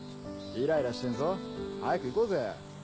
イライラしてんぞ早く行こうぜ。